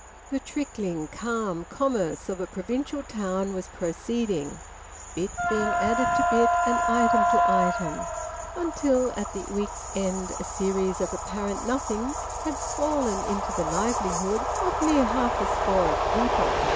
The trickling, calm commerce of a provincial town was proceeding, bit being added to bit and item to item, until at the week's end a series of apparent nothings had swollen into the livelihood of near half a score of people.